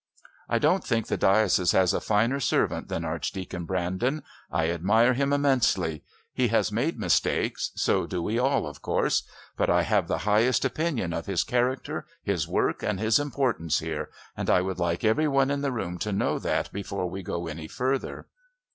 I don't think the diocese has a finer servant than Archdeacon Brandon. I admire him immensely. He has made mistakes. So do we all of course. But I have the highest opinion of his character, his work and his importance here, and I would like every one in the room to know that before we go any further."